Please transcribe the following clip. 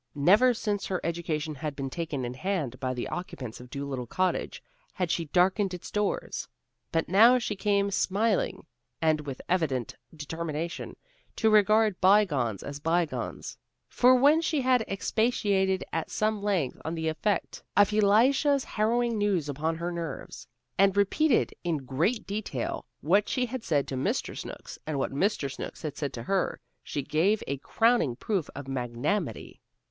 Never since her education had been taken in hand by the occupants of Dolittle Cottage, had she darkened its doors. But now she came smiling, and with an evident determination to regard bygones as bygones. For when she had expatiated at some length on the effect of Elisha's harrowing news upon her nerves, and had repeated in great detail what she had said to Mr. Snooks, and what Mr. Snooks had said to her, she gave a crowning proof of magnanimity.